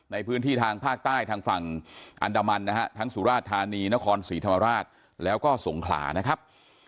ในพื้นที่ทางภาคใต้ทางฝั่งอันดามันนะฮะทั้งสุราชธานีนครศรีธรรมราชแล้วก็สงขลานะครับ